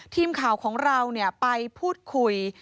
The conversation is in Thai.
ทีมข่าวของเราไปพูดคุย